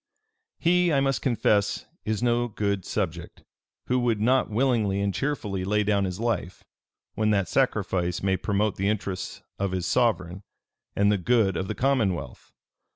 "He, I must confess, is no good subject, who would not willingly and cheerfully lay down his life, when that sacrifice may promote the interests of his sovereign, and the good of the commonwealth.